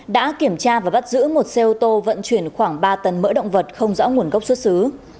đã kiểm tra và bắt giữ một xe ô tô vận chuyển khoảng ba tấn mỡ động vật không rõ nguồn gốc xuất xứ